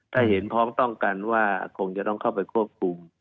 ถ้าเห็นพร้อมต้องกันว่าคงจะต้องเข้าไปควบคุม